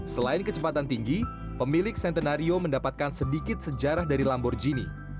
selain kecepatan tinggi pemilik centenario mendapatkan sedikit sejarah dari lamborghini